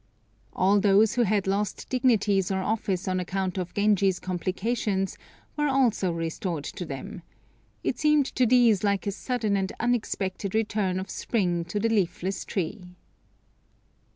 All those who had lost dignities or office on account of Genji's complications were also restored to them. It seemed to these like a sudden and unexpected return of spring to the leafless tree.